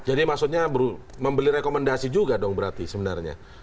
jadi maksudnya membeli rekomendasi juga dong berarti sebenarnya